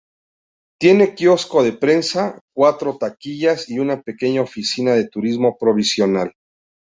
Tiene quiosco de prensa, cuatro taquillas y una pequeña oficina de turismo provincial.